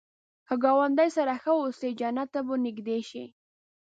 که ګاونډي سره ښه اوسې، جنت ته به نږدې شې